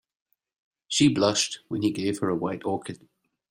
She blushed when he gave her a white orchid.